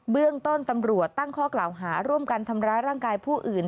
เรื่องต้นตำรวจตั้งข้อกล่าวหาร่วมกันทำร้ายร่างกายผู้อื่น